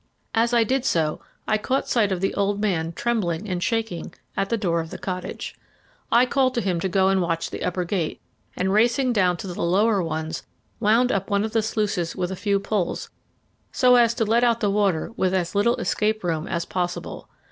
As I did so I caught sight of the old man trembling and shaking at the door of the cottage. I called to him to go and watch the upper gate, and, racing down to the lower ones, wound up one of the sluices with a few pulls, so as to let out the water with as little escape room as possible.